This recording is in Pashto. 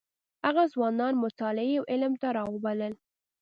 هغه ځوانان مطالعې او علم ته راوبلل.